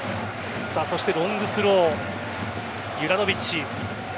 そしてロングスローユラノヴィッチ。